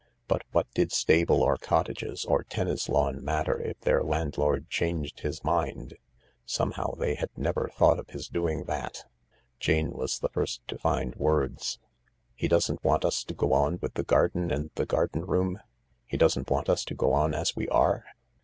But what did stable or cottages or tennis lawn matter if their landlord changed his mind ? Somehow they had never thought of his doing that. Jane was the first to find words. " He doesn't want us to go on with the garden and the garden room ? He doesn't want us to go on as we are